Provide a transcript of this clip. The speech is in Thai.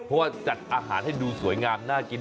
เพราะว่าจัดอาหารให้ดูสวยงามน่ากิน